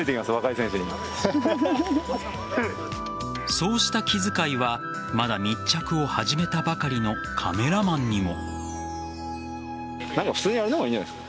そうした気遣いはまだ密着を始めたばかりのカメラマンにも。